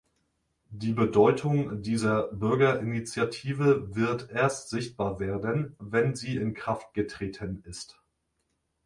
Die Bedeutung dieser Bürgerinitiative wird erst sichtbar werden, wenn sie in Kraft getreten ist.